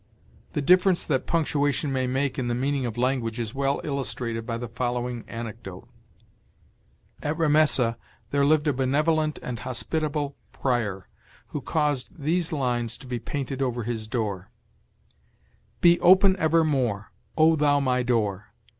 The difference that punctuation may make in the meaning of language is well illustrated by the following anecdote: At Ramessa there lived a benevolent and hospitable prior, who caused these lines to be painted over his door: "Be open evermore, O thou my door!